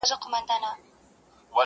نه پر مځکه چا ته گوري نه اسمان ته٫